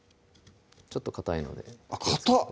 ちょっとかたいのでかたっ！